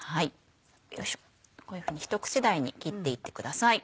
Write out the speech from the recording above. こういうふうに一口大に切っていってください。